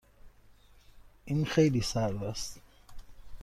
این خیلی سرد است.